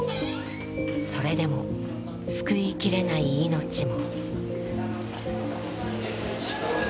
それでも救いきれない命も。